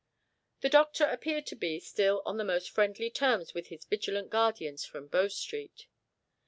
The doctor appeared to be still on the most friendly terms with his vigilant guardians from Bow Street.